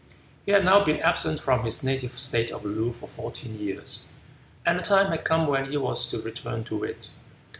He had now been absent from his native state of Loo for fourteen years, and the time had come when he was to return to it.